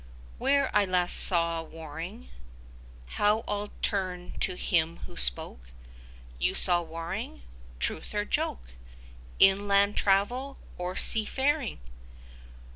'When I last saw Waring....' 50 (How all turned to him who spoke You saw Waring? Truth or joke? In land travel, or sea faring?)